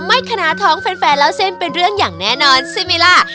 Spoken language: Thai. ไม่ขนาดท้องแฟนแล้วเส้นเป็นเรื่องอย่างแน่นอนใช่ไหมครับ